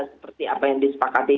seperti apa yang disepakati